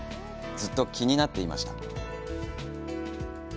ずっと気になっていました。